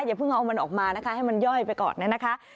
อย่าเพิ่งเอามันออกมานะคะให้มันย่อยไปก่อนเนี่ยนะคะ